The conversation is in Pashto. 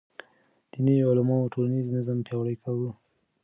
دیني علماو ټولنیز نظم پیاوړی کاوه.